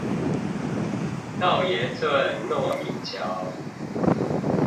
道爺圳糯米橋